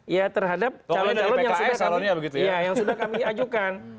ya terhadap calon calon yang sudah kami ajukan